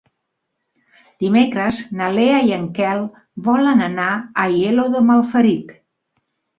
Dimecres na Lea i en Quel volen anar a Aielo de Malferit.